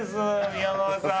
宮川さん！